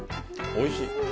おいしい。